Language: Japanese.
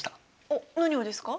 おっ何をですか？